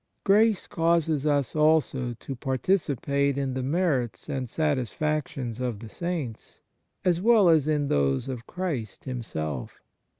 Grace causes us also to participate in the merits and satisfactions of the Saints, as well as in those of Christ Himself.